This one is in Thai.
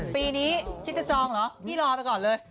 ปีนี้คิดจะจองเหรอพี่รอไปก่อนเลย